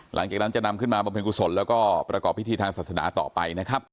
หลังจากนั้นจะนำขึ้นมาบำเพ็ญกุศลแล้วก็ประกอบพิธีทางศาสนาต่อไปนะครับ